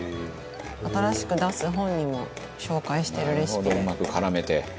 新しく出す本にも紹介してるレシピで。